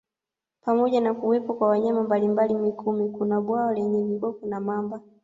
Pamoja na kuwepo kwa wanyama mbalimbali Mikumi kuna bwawa lenye viboko na mamba